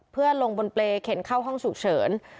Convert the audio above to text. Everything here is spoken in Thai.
เพื่อลงบนเปรย์เข็นเข้าห้องฉุกเฉิน